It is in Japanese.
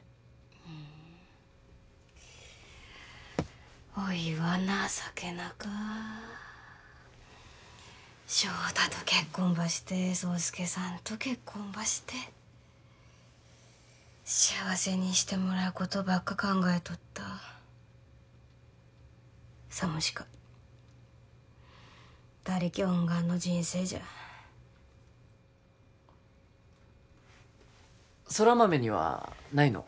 うんおいは情けなか翔太と結婚ばして爽介さんと結婚ばして幸せにしてもらうことばっか考えとったさもしか他力本願の人生じゃ空豆にはないの？